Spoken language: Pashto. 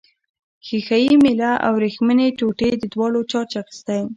ښيښه یي میلې او وریښمينې ټوټې دواړو چارج اخیستی.